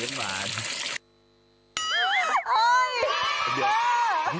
ยิ้มเออยิ้มหวาน